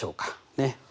ねっ。